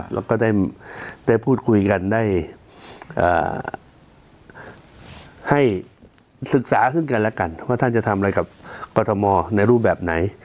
แล้วก็ได้พูดคุยกันได้ให้ศึกษาซึ่งกันแล้วกันว่าท่านจะทำอะไรกับกรทมในรูปแบบไหน